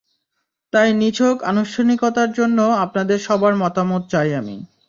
তাই নিছক আনুষ্ঠানিকতার জন্য আপনাদের সবার মতামত চাই আমি।